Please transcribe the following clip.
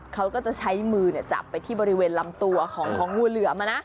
เขาก็จะใช้มือจับไปที่บริเวณลำตัวของงูเหลือม